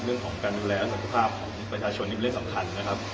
เรื่องของการดูแลสุขภาพของประชาชนนี่เป็นเรื่องสำคัญนะครับ